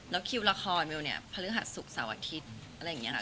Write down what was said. แล้วคิวละครเบลเนี่ยพฤหัสศุกร์เสาร์อาทิตย์อะไรอย่างนี้ค่ะ